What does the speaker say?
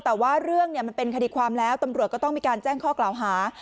แต่ว่าเรื่องมันเป็นคดีความแล้วตำรวจก็ต้องมีการแจ้งข้อกล่าวหา